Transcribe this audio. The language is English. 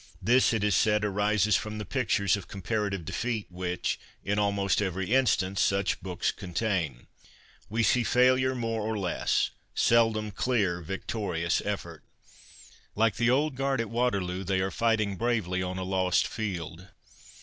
This, it is said, arises from the pictures of comparative defeat which, in almost every instance, such books contain. ' We see failure more or less — seldom clear, victorious effort. Like the Old Guard at Waterloo, they are righting bravely on a lost field.